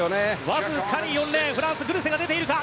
わずかに４レーンフランスのグルセが出ているか。